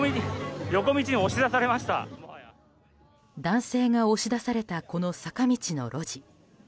男性が押し出されたこの坂道の路地。